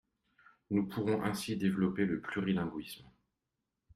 Nous pourrons ainsi développer le plurilinguisme.